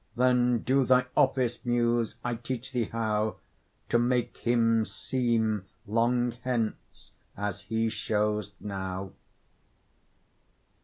Then do thy office, Muse; I teach thee how To make him seem long hence as he shows now.